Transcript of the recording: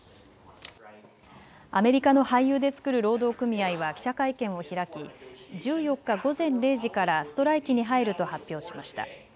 アメリカの俳優で作る労働組合は記者会見を開き１４日午前０時からストライキに入ると発表しました。